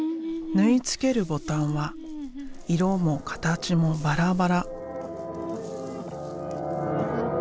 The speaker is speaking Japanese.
縫い付けるボタンは色も形もバラバラ。